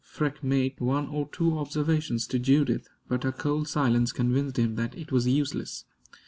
Freke made one or two observations to Judith, but her cold silence convinced him that it was useless.